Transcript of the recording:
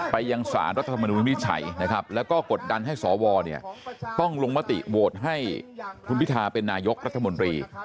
ไปยังสารรัฐธรรมนุวินิจฉัยนะครับแล้วก็กดดันให้สวต้องลงมติโหวตให้คุณพิทาเป็นนายกรัฐมนตรี